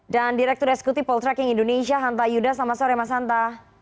dan direktur eskuti poltraking indonesia hanta yuda selamat sore mas hanta